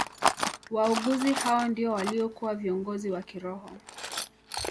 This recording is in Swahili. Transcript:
Waaguzi hao ndio waliokuwa viongozi wa kiroho